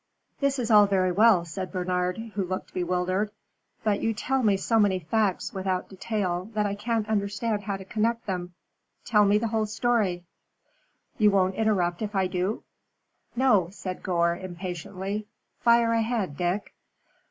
"This is all very well," said Bernard, who looked bewildered. "But you tell me so many facts without detail that I can't understand how to connect them. Tell me the whole story." "You won't interrupt if I do?" "No," said Gore, impatiently, "fire ahead, Dick."